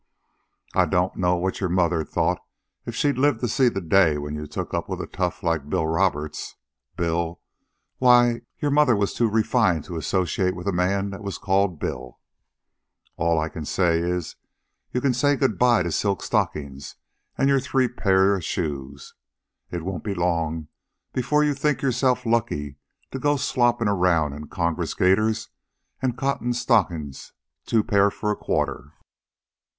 "I don't know what your mother'd thought if she lived to see the day when you took up with a tough like Bill Roberts. Bill! Why, your mother was too refined to associate with a man that was called Bill. And all I can say is you can say good bye to silk stockings and your three pair of shoes. It won't be long before you'll think yourself lucky to go sloppin' around in Congress gaiters and cotton stockin's two pair for a quarter."